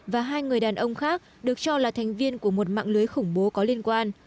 và hai người đàn ông khác được cho là thành viên của một mạng lưới khủng bố có liên quan